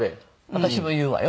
私も言うわよ？